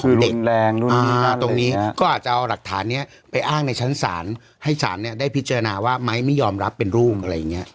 คือเด็กแรงด้วยตรงนี้ก็อาจจะเอาหลักฐานนี้ไปอ้างในชั้นศาลให้ศาลเนี่ยได้พิจารณาว่าไม้ไม่ยอมรับเป็นลูกอะไรอย่างนี้